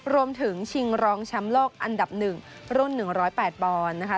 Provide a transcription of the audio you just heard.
รวมถึงชิงร้องช้ำโลกอันดับหนึ่งรุ่นหนึ่งร้อยแปดปอนด์นะคะ